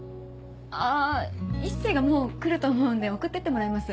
あぁ一星がもう来ると思うんで送ってってもらいます。